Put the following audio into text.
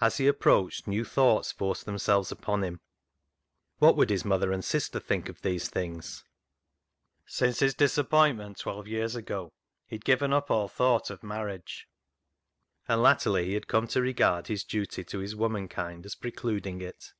As he approached, new thoughts forced themselves upon him. What would his mother and sister think of these things ? Since his disappointment of twelve years ago, he had given up all thought of marriage, and latterly he had come to regard his duty to his woman kind as precluding it.